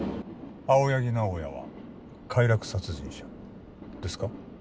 青柳直哉は快楽殺人者ですか？